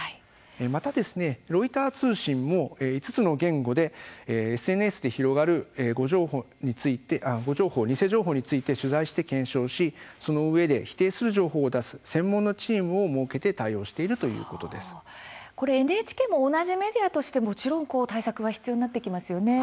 またロイター通信も５つの言語でＳＮＳで広がる偽情報について取材して検証をしてそのうえで否定する情報を出す専門のチームを設けてＮＨＫも同じメディアとしてもちろん対策は必要になってきますよね。